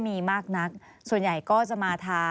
มีความรู้สึกว่ามีความรู้สึกว่า